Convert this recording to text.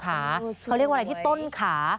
เขาเรียกว่าอะไรที่ต้นขา